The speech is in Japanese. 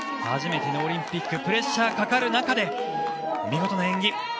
初めてのオリンピックプレッシャーがかかる中で見事な演技。